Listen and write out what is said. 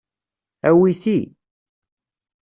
Awi ti.